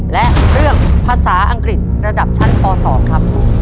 และเรื่องภาษางริษชั่นป๒ครับ